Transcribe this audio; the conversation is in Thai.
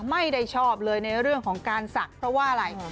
ไม่ได้ชอบเลยในเรื่องของการศักดิ์เพราะว่าอะไร